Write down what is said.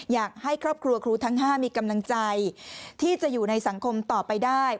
อยากให้ครอบครัวครูทั้ง๕มีกำลังใจที่จะอยู่ในสังคมต่อไปได้